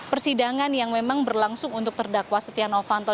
persidangan yang memang berlangsung untuk terdakwa setia novanto